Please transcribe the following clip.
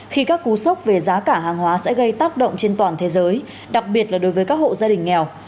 khi các cú sốc về giá cả hàng hóa sẽ gây tác động trên toàn thế giới đặc biệt là đối với các hộ gia đình nghèo